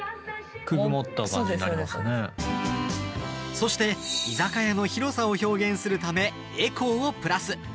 そして、居酒屋の広さを表現するため、エコーをプラス。